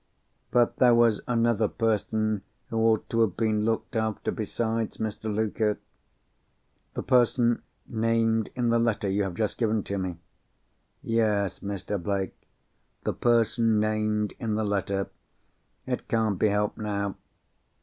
But there was another person who ought to have been looked after besides Mr. Luker." "The person named in the letter you have just given to me?" "Yes, Mr. Blake, the person named in the letter. It can't be helped now.